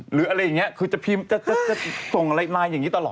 หรืออะไรอย่างนี้คือจะส่งไลน์อย่างนี้ตลอด